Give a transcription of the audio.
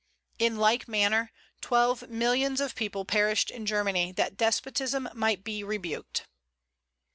In like manner, twelve millions of people perished in Germany, that despotism might be rebuked.